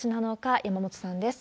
山本さんです。